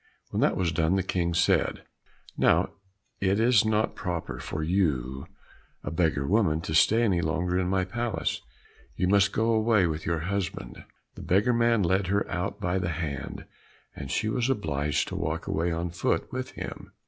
When that was done the King said, "Now it is not proper for you, a beggar woman, to stay any longer in my palace, you may just go away with your husband." The beggar man led her out by the hand, and she was obliged to walk away on foot with him.